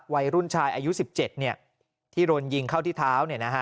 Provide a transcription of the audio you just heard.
วัยรุ่นชายอายุ๑๗ที่โดนยิงเข้าที่เท้า